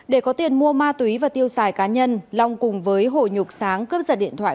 để có tiền mua ma túy và tiêu xài cá nhân long cùng với hồ nhục sáng cướp giật điện thoại